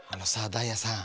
ダイヤさん。